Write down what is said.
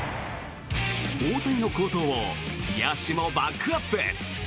大谷の好投を野手もバックアップ。